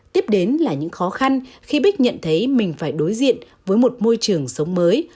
tiếp đến là những khó khăn khi bích nhận thấy mình phải đối diện với một môi trường sống mới